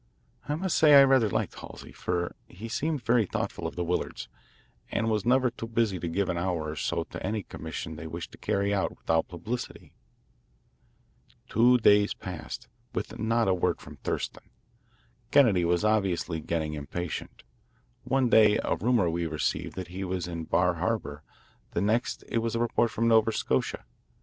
I must say I rather liked Halsey, for he seemed very thoughtful of the Willards, and was never too busy to give an hour or so to any commission they wished carried out without publicity.. Two days passed with not a word from Thurston. Kennedy was obviously getting impatient. One day a rumour was received that he was in Bar Harbour; the next it was a report from Nova Scotia.